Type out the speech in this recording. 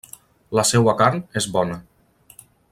La seua carn és bona.